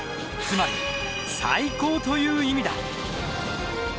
つまり最高という意味だ。